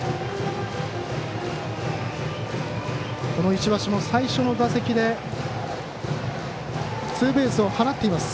石橋も最初の打席でツーベースを放っています。